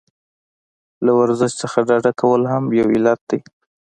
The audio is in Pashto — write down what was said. له ورزش څخه ډډه کول هم یو علت دی.